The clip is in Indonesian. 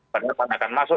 banyak yang akan masuk